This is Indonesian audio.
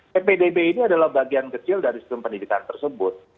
ppdb ini adalah bagian kecil dari sistem pendidikan tersebut